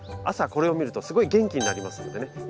朝これを見るとすごい元気になりますんでね。